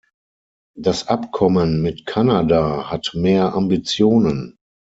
Das Abkommen mit Kanada hat mehr Ambitionen.